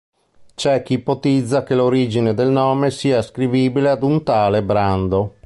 C'è chi ipotizza che l'origine del nome sia ascrivibile ad un tale Brando.